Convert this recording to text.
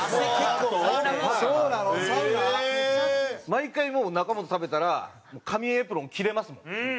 毎回もう中本食べたら紙エプロン切れますもん。